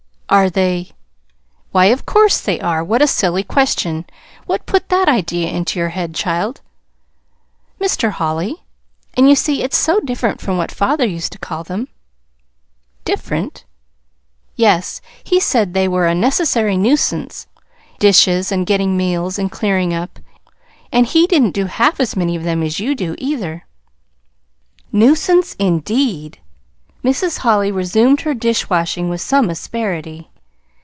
"Are they Why, of course they are! What a silly question! What put that idea into your head, child?" "Mr. Holly; and you see it's so different from what father used to call them." "Different?" "Yes. He said they were a necessary nuisance, dishes, and getting meals, and clearing up, and he didn't do half as many of them as you do, either." "Nuisance, indeed!" Mrs. Holly resumed her dishwashing with some asperity.